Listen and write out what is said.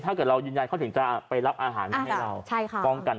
ถ้าเกิดเรายืนยันเค้าถึงจะไปรับอาหารให้เรา